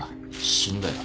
死んだよ。